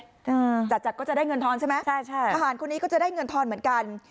อ่าจัดจากก็จะได้เงินทอนใช่ไหมใช่ใช่ทหารคนนี้ก็จะได้เงินทอนเหมือนกัน